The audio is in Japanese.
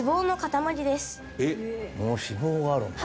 脂肪があるんだ？